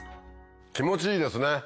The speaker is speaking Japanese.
気持ちいいですね。